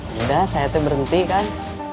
sudah saya berhenti kan